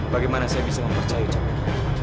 bagaimana saya bisa mempercayai tuhan